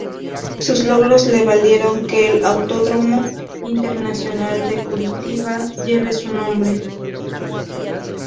Sus logros le valieron que el Autódromo Internacional de Curitiba lleve su nombre.